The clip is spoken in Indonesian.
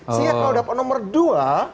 siap kalau dapat nomor dua